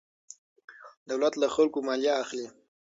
دولت له خلکو مالیه اخلي.